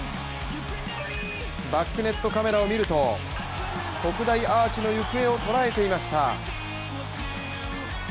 バックネットカメラを見ると特大アーチの行方を捉えていました。